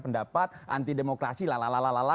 pendapat anti demokrasi lalala